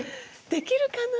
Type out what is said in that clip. できるかな。